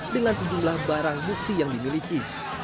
dengan sejumlah barang bukti yang dimiliki